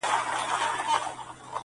دودونه ژوند توره څېره کوي تل,